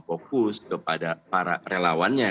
fokus kepada para relawannya